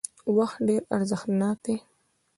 وخت ډېر ارزښتناک دی